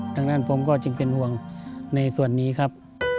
ดังนั้นผมก็จึงเป็นห่วงในส่วนนี้ครับ